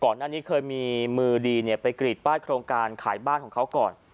ก่อนหน้านี้เคยมีมือดีไปกรีดป้ายโครงการขายบ้านของเขาก่อน